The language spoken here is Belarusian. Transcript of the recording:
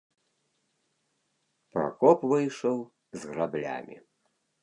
Пракоп выйшаў з граблямі.